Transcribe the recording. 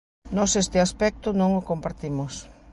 Nós este aspecto non o compartimos.